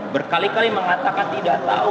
berkali kali mengatakan tidak tahu